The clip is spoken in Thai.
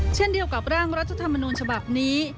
เช่นเดียวกับร่างรัฐธรรมนูญฉบับนี้